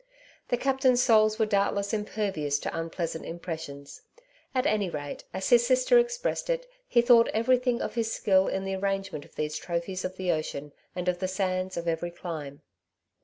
^^ The captain's soles were doubtless impervious to un pleasant impressions \ at any rate, as his sister ex pressed it he thought everything of his skill in the arrangement of these trophies of the ocean and of the sands of every clime.